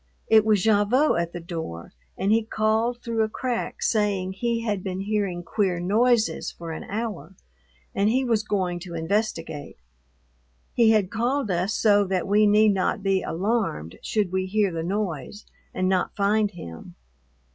It was Gavotte at the door and he called through a crack saying he had been hearing queer noises for an hour and he was going to investigate. He had called us so that we need not be alarmed should we hear the noise and not find him.